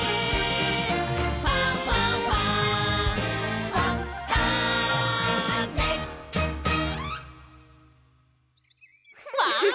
「ファンファンファン」わお！